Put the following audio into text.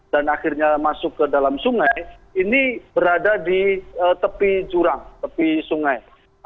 dan akhirnya masuk ke dalam sungai ini berada di tepi jurang tepi sungai